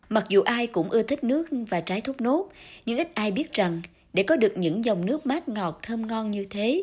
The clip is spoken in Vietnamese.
mặc dù ai cũng ưa thích nước và trái thốt nốt nhưng ít ai biết rằng để có được những dòng nước mát ngọt thơm ngon như thế